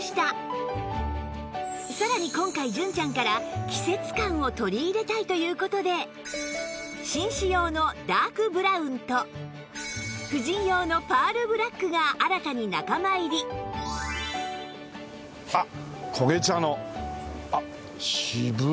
さらに今回純ちゃんから季節感を取り入れたいという事で紳士用のダークブラウンと婦人用のパールブラックが新たに仲間入りほら。